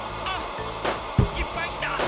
あっいっぱいきた！